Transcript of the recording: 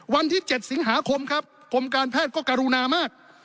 วันที่๗สิงหาคมครับกรมการแพทย์ก็กรุณามาก